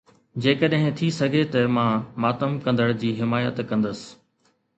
جيڪڏهن ٿي سگهي ته مان ماتم ڪندڙ جي حمايت ڪندس